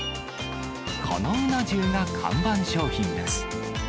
このうな重が看板商品です。